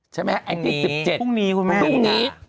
ใช่ไหมฮะ๑๗พรุ่งนี้พรุ่งนี้